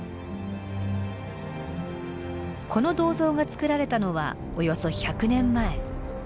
この銅像が作られたのはおよそ１００年前。